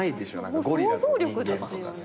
ゴリラと人間とかさ。